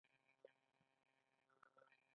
آیا د مسافروړونکو بسونو کیفیت ښه دی؟